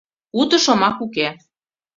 Уто шомак уке.